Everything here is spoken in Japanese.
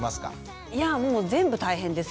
いやもう全部大変ですよ。